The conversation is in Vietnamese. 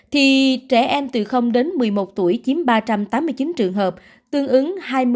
thì trẻ em từ đến một mươi một tuổi chiếm ba trăm tám mươi chín trường hợp tương ứng hai mươi năm mươi ba